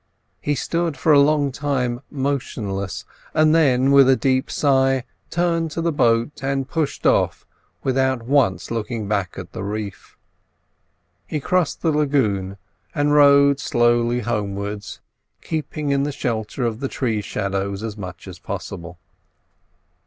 He stood for a long time motionless, and then with a deep sigh turned to the boat and pushed off without once looking back at the reef. He crossed the lagoon and rowed slowly homewards, keeping in the shelter of the tree shadows as much as possible.